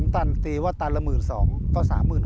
ตันตีว่าตันละ๑๒๐๐ก็๓๖๐